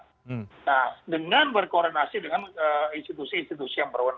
nah dengan berkoordinasi dengan institusi institusi yang berwenang